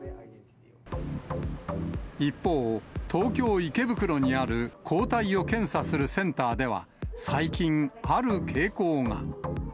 一方、東京・池袋にある抗体を検査するセンターでは、最近、ある傾向が。